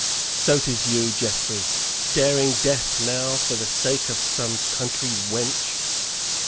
"So 'tis you, Geoffrey, daring death now for the sake of some country wench?